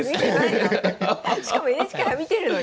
しかもＮＨＫ杯観てるのに。